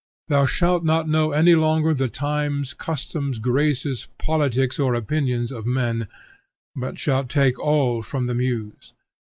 Thou shalt not know any longer the times, customs, graces, politics, or opinions of men, but shalt take all from the muse.